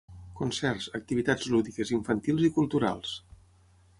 Concerts, activitats lúdiques, infantils i culturals.